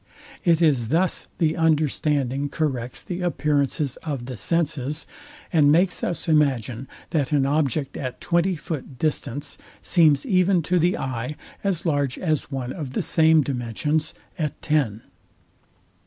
It is thus the understanding corrects the appearances of the senses, and makes us imagine, that an object at twenty foot distance seems even to the eye as large as one of the same dimensions at ten.